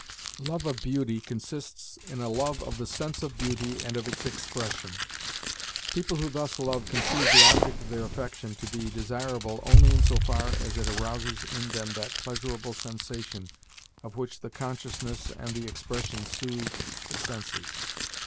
Love of beauty consists in a love of the sense of beauty and of its expression. People who thus love conceive the object of their affection to be desirable only in so far as it arouses in them that pleasurable sensation of which the consciousness and the expression soothes the senses.